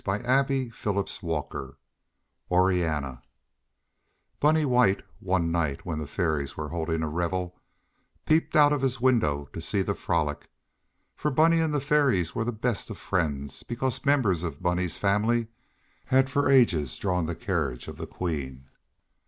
ORIANNA [Illustration: Orianna] Bunny White, one night when the Fairies were holding a revel, peeped out of his window to see the frolic, for Bunny and the Fairies were the best of friends because members of Bunny's family had for ages drawn the carriage of the Queen.